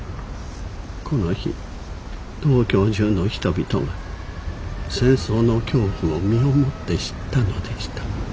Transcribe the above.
この日東京中の人々が戦争の恐怖を身をもって知ったのでした。